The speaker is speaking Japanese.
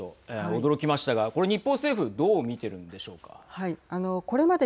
驚きましたが、これ日本政府どう見ているんでしょうか。